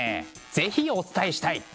是非お伝えしたい！